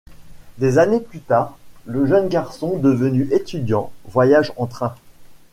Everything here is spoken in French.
Des années plus tard, le jeune garçon, devenu étudiant, voyage en train.